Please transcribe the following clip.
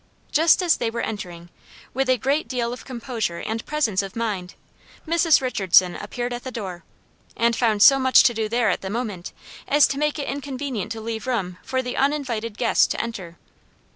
Just as they were entering, with a great deal of composure and presence of mind, Mrs. Richardson appeared at the door, and found so much to do there at the moment, as to make it inconvenient to leave room for the uninvited guests to enter.